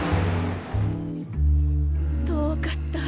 遠かった。